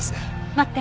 待って。